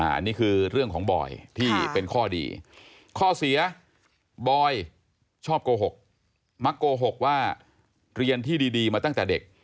อันนี้คือเรื่องของบอยที่เป็นข้อดีข้อเสียบอยชอบโกหกมักโกหกว่าเรียนที่ดีมาตั้งแต่เด็ก